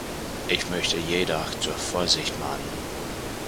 Ich möchte jedoch zur Vorsicht mahnen.